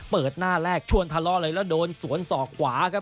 เปิดหน้าแรกชวนทะเลาะเลยแล้วโดนสวนศอกขวาครับ